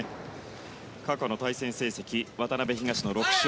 過去の対戦成績渡辺、東野６勝。